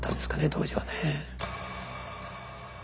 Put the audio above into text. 当時はね。